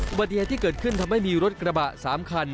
อุบัติเหตุที่เกิดขึ้นทำให้มีรถกระบะ๓คัน